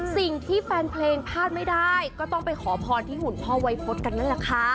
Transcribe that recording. สิ่งที่แฟนเพลงพลาดไม่ได้ก็ต้องไปขอพรที่หุ่นพ่อวัยพฤษกันนั่นแหละค่ะ